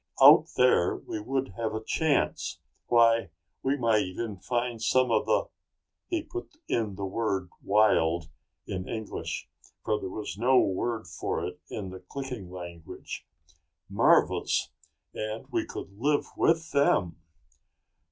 Out there we would have a chance. Why, we might even find some of the " He put in the word 'wild' in English, for there was no word for it in the clicking language, " marvas, and we could live with them."